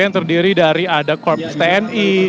yang terdiri dari ada korps tni